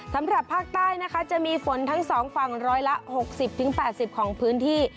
สำหรับภาคใต้นะคะจะมีฝนทั้ง๒ฝั่ง๑๖๐๘๐ของพื้นที่